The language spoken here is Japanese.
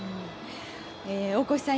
大越さん